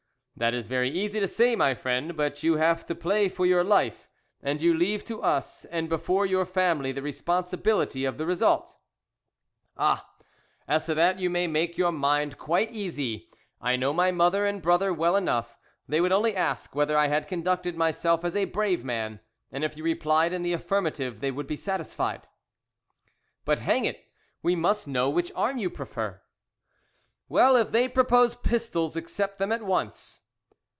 "That is very easy to say, my friend, but you have to play for your life, and you leave to us and before your family the responsibility of the result." "Ah, as to that you may make your mind quite easy, I know my mother and brother well enough; they would only ask whether I had conducted myself as a brave man, and if you replied in the affirmative they would be satisfied." "But, hang it, we must know which arm you prefer." "Well, if they propose pistols, accept them at once."